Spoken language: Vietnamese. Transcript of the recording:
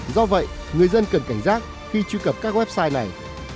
do vậy người dân cần cảnh giác khi truy cập các website này